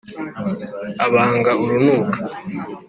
Abanga urunuka